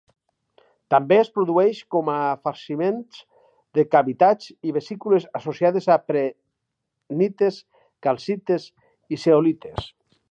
També es produeix com a farciments de cavitats i vesícules associades a prehnites, calcites i zeolites.